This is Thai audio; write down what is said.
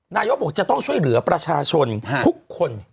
นายกบอกจะต้องช่วยเหลือประชาชนทุกคน